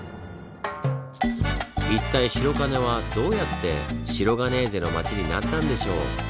一体白金はどうやってシロガネーゼの街になったんでしょう？